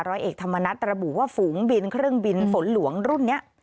ร้อยเอกธรรมนัฐระบุว่าฝูงบินเครื่องบินฝนหลวงรุ่นนี้